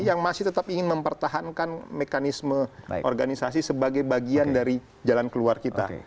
yang masih tetap ingin mempertahankan mekanisme organisasi sebagai bagian dari jalan keluar kita